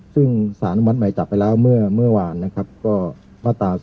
ซึ่งสารมัติใหม่จับไปแล้วเมื่อเมื่อวานนะครับก็มาตร๒๙๑